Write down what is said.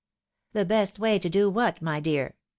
" The best way to do what, my dear